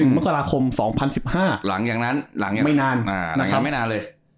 ๑มกราคม๒๐๑๕หลังอย่างนั้นไม่นานหลังอย่างนั้นไม่นานเลย